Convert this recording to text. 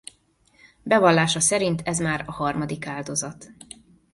Bevallása szerint ez már a harmadik áldozat.